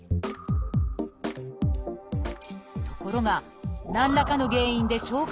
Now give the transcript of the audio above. ところが何らかの原因で消化